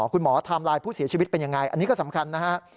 คุณหมอทำลายผู้เสียชีวิตเป็นอย่างไรอันนี้ก็สำคัญนะฮะ